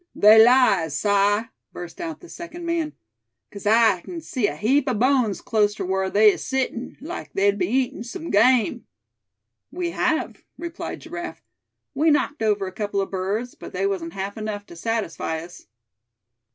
"They lies, Si!" burst out the second man; "'case I kin see a heap o' bones clost ter whar they is settin', like they'd be'n eatin' some game." "We have," replied Giraffe; "we knocked over a couple of birds, but they wasn't half enough to satisfy us."